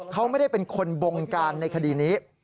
เขาไม่ได้เป็นคนบงการในคดีนี้